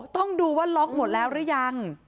ต้องดูว่าล็อกหมดแล้วหรือยัง